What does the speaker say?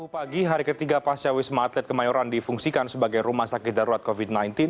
pagi hari ketiga pascawisma atlet kemayoran difungsikan sebagai rumah sakit darurat covid sembilan belas